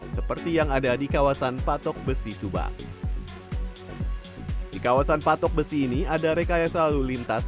seperti yang ada di kawasan patok besi subang di kawasan patok besi ini ada rekayasa lalu lintas